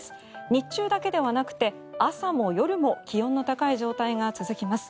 日中だけではなくて朝も夜も気温の高い状態が続きます。